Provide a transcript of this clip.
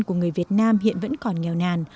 của người việt nam hiện vẫn còn nghèo nàn